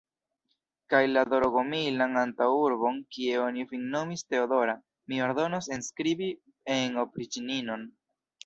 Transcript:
Kaj la Dorogomilan antaŭurbon, kie oni vin nomis Teodora, mi ordonos enskribi en opriĉninon!